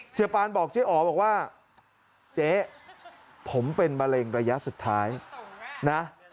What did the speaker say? ปานบอกเจ๊อ๋อบอกว่าเจ๊ผมเป็นมะเร็งระยะสุดท้ายนะ